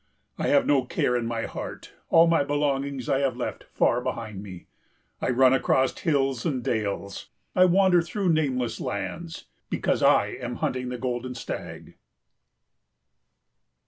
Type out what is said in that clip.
I have no care in my heart; all my belongings I have left far behind me. I run across hills and dales, I wander through nameless lands because I am hunting for the golden stag.